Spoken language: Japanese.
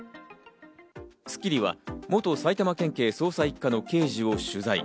『スッキリ』は元埼玉県警捜査１課の刑事を取材。